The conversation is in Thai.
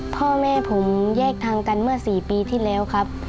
พ่อแม่ผมแยกทางกันเมื่อ๔ปีที่แล้วครับ